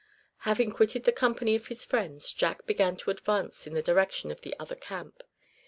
Having quitted the company of his friends, Jack began to advance in the direction of the other camp.